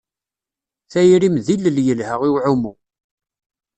Tayrim d ilel yelha i uɛumu.